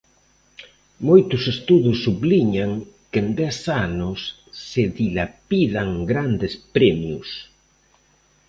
Moitos estudos subliñan que en dez anos se dilapidan grandes premios.